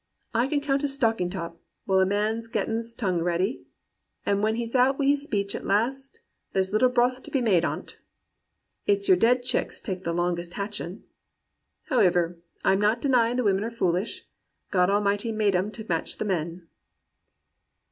I can count a stocking top while a man's getting's tongue ready; an' when he outs wi' his speech at last, there's little broth to be made on't. It's your dead chicks take the longest hatchin'. Howiver, I'm not denyin' the women are foolish: God Almighty made 'em to match the men.'